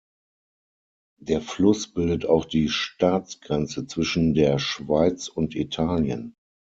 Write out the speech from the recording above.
Der Fluss bildet auch die Staatsgrenze zwischen der Schweiz und Italien.